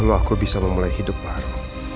lalu aku bisa memulai hidup baru